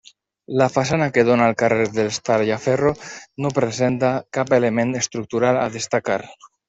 La façana que dóna al carrer dels Tallaferro no presenta cap element estructural a destacar.